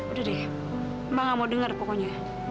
udah deh mbak gak mau dengar pokoknya